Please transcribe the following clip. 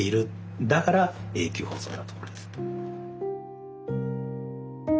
だから「永久保存」だと思います。